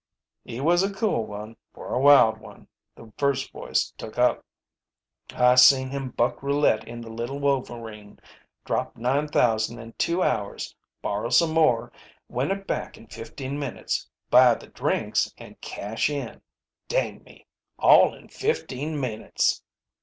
"He was a cool one, for a wild one," the first voice took up. "I seen him buck roulette in the Little Wolverine, drop nine thousand in two hours, borrow some more, win it back in fifteen minutes, buy the drinks, an' cash in dang me, all in fifteen minutes."